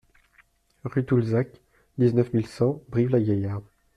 Rue Toulzac, dix-neuf mille cent Brive-la-Gaillarde